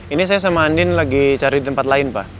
ini saya sama andin lagi cari di tempat lain pak